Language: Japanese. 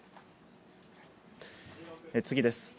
次です。